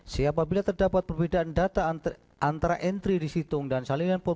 c apabila terdapat perbedaan data antara entry di situng dan penyelidikan data